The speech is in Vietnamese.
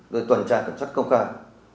rồi toàn trai kiểm soát không khăn